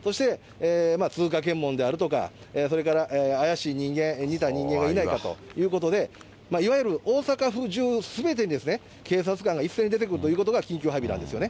そして通過検問であるとか、それから怪しい人間、似た人間がいないかということで、いわゆる大阪府じゅうすべてに警察官が一斉に出てくるということが緊急配備なんですよね。